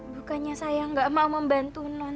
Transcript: bukannya saya nggak mau membantu non